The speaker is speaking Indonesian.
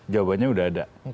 jawabannya sudah ada